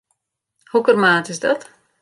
Hokker maat is dat?